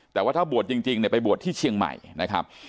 แต่ว่าถ้าบวชจริงเนี่ยไปบวชที่เชียงใหม่นะครับ